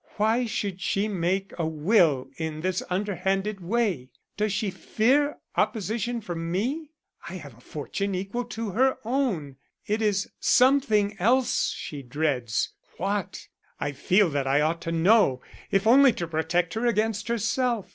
Why should she make a will in this underhanded way? Does she fear opposition from me? I have a fortune equal to her own. It is something else she dreads. What? I feel that I ought to know if only to protect her against herself.